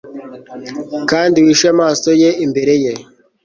Kandi uhishe amaso ye imbere ye